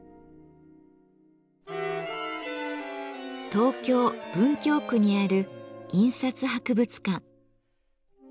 東京・文京区にある印刷博物館。